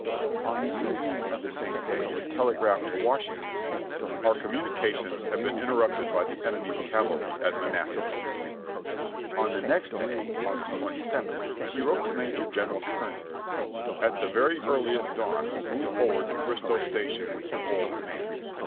Records, Vol. 10, p. 69.) On the evening of the same day he telegraphed to Washington : "Our communications have been interrupted by the enemy's cavalry at Manassas." On the next day, August 27th, he wrote to Major General Kearny : "At the very earliest dawn move forward to Bristow Station with your whole command.